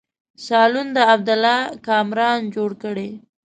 سالون د عبدالله کامران جوړ کړی.